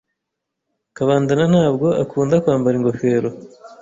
Kabandana ntabwo akunda kwambara ingofero.